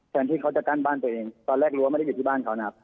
ที่เขาจะกั้นบ้านตัวเองตอนแรกรั้วไม่ได้อยู่ที่บ้านเขานะครับ